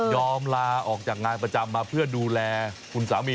ลาออกจากงานประจำมาเพื่อดูแลคุณสามี